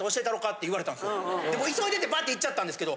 でも急いでてバッて行っちゃったんですけど。